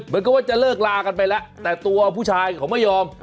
เหมือนกับว่าจะเลิกลากันไปแล้วแต่ตัวผู้ชายเขาไม่ยอม